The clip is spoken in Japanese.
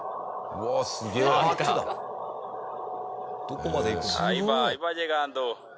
どこまで行くんだ？